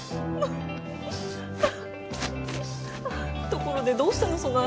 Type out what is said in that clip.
ところでどうしたの？